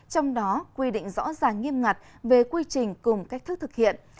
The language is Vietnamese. trong đó quy định rõ ràng nghiêm ngặt về quy trình cùng cách thức thực hiện